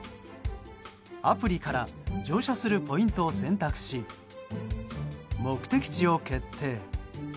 アプリから乗車するポイントを選択し目的地を決定。